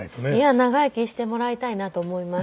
長生きしてもらいたいなと思います。